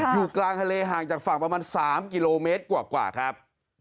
อยู่กลางทะเลห่างจากฝั่งประมาณ๓กิโลเมตรกว่าครับ